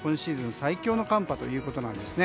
最強の寒波ということですね。